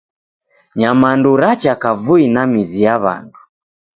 Nyamandu racha kavui na mizi ya w'andu.